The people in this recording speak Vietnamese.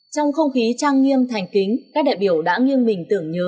trong không khí trang nghiêm thành kính các đại biểu đã nghiêng mình tưởng nhớ